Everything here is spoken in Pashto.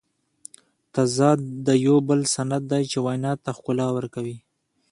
تضاد یو بل صنعت دئ، چي وینا ته ښکلا ورکوي.